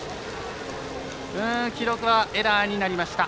記録は、エラーになりました。